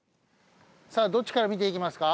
さあどっちから見ていきますか？